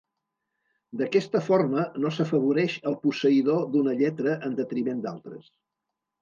D'aquesta forma no s'afavoreix el posseïdor d'una lletra en detriment d'altres.